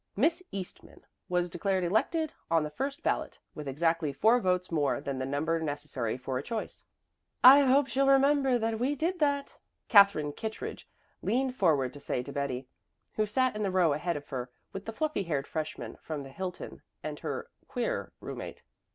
Miss Eastman was declared elected on the first ballot, with exactly four votes more than the number necessary for a choice. "I hope she'll remember that we did that," Katherine Kittredge leaned forward to say to Betty, who sat in the row ahead of her with the fluffy haired freshman from the Hilton and her "queer" roommate.